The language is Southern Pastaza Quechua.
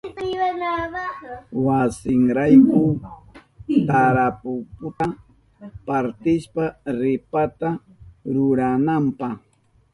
Wasinrayku tarapututa partishka ripata rurananpa.